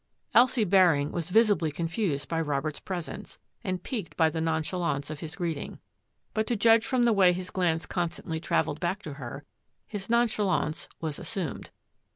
Elsie Baring was visibly confused by Robert's presence and piqued by the nonchalance of his greeting. But to judge from the way his glance constantly travelled back to her, his nonchalance was assumed.